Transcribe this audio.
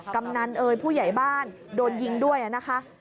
กำนันเอ่ยผู้ใหญ่บ้านโดนยิงด้วยนะคะ